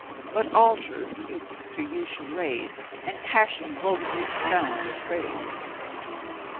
But altars youths to you should raise, And passion'd vot'ries sound your praise!